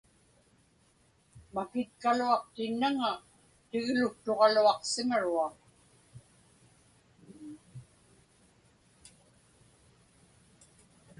Makitkaluaqtinnaŋa tigluktuġaluaqsimaruaq.